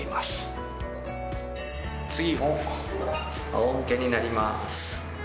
次もあお向けになります。